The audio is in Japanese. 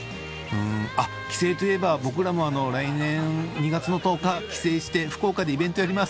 あっ帰省といえば僕らも来年２月の１０日帰省して福岡でイベントやります。